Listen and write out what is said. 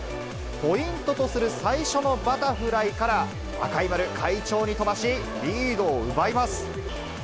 ポイントとする最初のバタフライから、赤い丸、快調に飛ばし、リードを奪います。